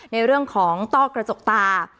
ในเรื่องของต้อกระจกตา